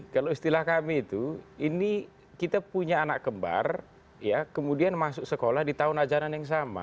kalau istilah kami itu ini kita punya anak kembar ya kemudian masuk sekolah di tahun ajaran yang sama